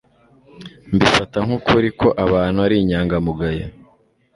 Mbifata nkukuri ko abantu ari inyangamugayo